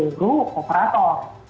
dari seluruh operator